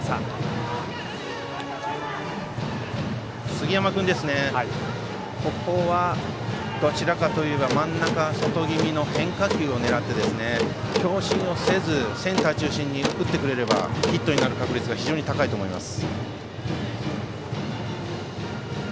杉山君、ここはどちらかといえば真ん中外気味の変化球を狙って強振をせずセンター中心に打ってくれればヒットになる確率が高いと思います。